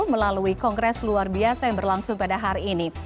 melalui kongres luar biasa yang berlangsung pada hari ini